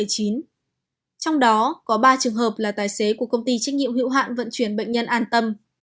trong đó có ba trường hợp là tài xế của công ty trách nhiệm hữu hạn vận chuyển bệnh nhân an tâm